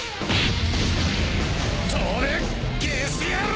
飛べゲス野郎！！